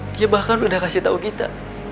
dia bahkan udah kasih tau kita